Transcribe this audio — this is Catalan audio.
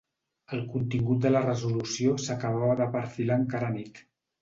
El contingut de la resolució s’acabava de perfilar encara anit.